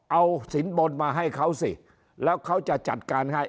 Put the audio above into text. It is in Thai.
เอาสินบนมาให้เขาสิแล้วเขาจะจัดการให้